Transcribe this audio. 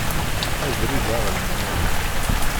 Abrid aɣelnaw.